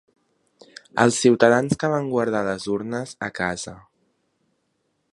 Als ciutadans que van guardar les urnes a casa.